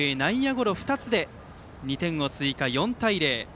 ゴロ２つで２点を追加して４対０。